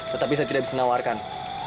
tetapi saya tidak bisa menawarkan